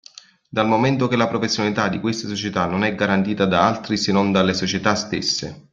Dal momento che la professionalità di queste società non è garantita da altri se non dalle società stesse.